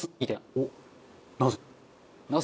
おっなぜ？